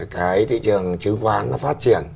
cái thị trường chứng khoán nó phát triển